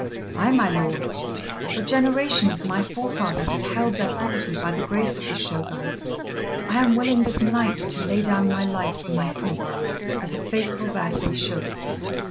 "Ay, my lord; for generations my forefathers have held their property by the grace of the Shogun. I am willing this night to lay down my life for my Prince, as a faithful vassal should."